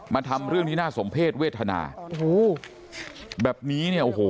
มาทำเรื่องที่น่าสมเพศเวทนาแบบนี้เนี่ยโอ้โห